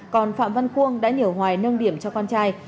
còn phạm văn cuông đã nhờ hoài nâng điểm cho con trai